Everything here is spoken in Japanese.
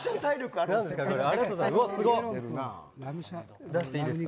ありがとうございます。